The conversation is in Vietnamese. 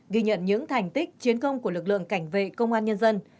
ghi nhận những thành tích chiến công của lực lượng cảnh vệ công an nhân dân